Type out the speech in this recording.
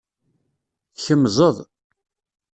Tkemzeḍ.